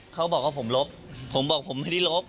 เขาบอกว่าผมลบผมบอกผมไม่ได้ลบ